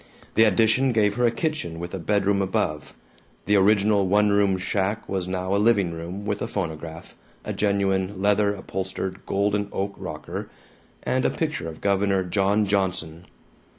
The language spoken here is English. The addition gave her a kitchen with a bedroom above. The original one room shack was now a living room, with the phonograph, a genuine leather upholstered golden oak rocker, and a picture of Governor John Johnson.